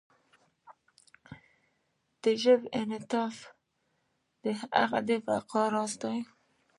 د ژبې انعطاف د هغې د بقا راز دی.